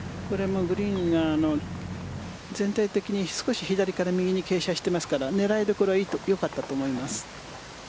これもグリーンが全体的に少し左から右に傾斜していますから狙いどころはよかったと思います。